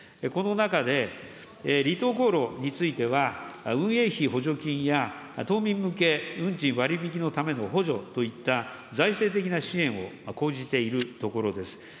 この中で、離島航路については、運営費補助金や島民向け運賃割引のための補助といった、財政的な支援を講じているところです。